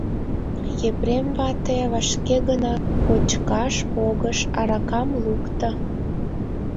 Епрем вате вашке гына кочкаш погыш, аракам лукто.